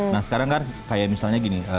nah sekarang kan kayak misalnya gini